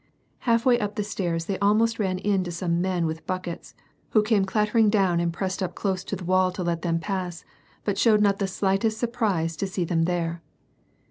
Half way up the stairs they almost ran into some men with buckets, who came clattering down and pressed up close to the wall to let them pass, but showed not the slightest sur prise to see them there.